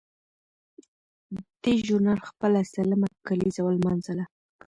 دې ژورنال خپله سلمه کالیزه ولمانځله.